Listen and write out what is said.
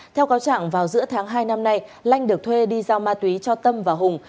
theo cáo chẳng vào giữa tháng hai năm nay lanh được thuê đi giao ma túy cho tâm và hùng